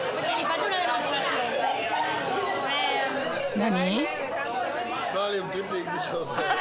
何？